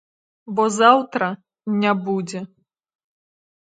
Бо заўтра не будзе.